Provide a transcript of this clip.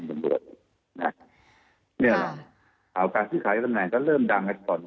เนี่ยแหละข่าวการภิกษาให้ตำแหน่งก็เริ่มดังกันก่อน